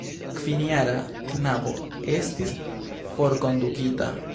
Kvinjara knabo estis forkondukita.